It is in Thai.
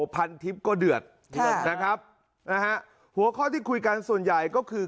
พันทิพย์ก็เดือดนะครับนะฮะหัวข้อที่คุยกันส่วนใหญ่ก็คือ